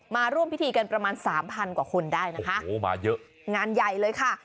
มาร่วมพิธีกันประมาณ๓๐๐๐กว่าคนได้นะคะงานใหญ่เลยค่ะ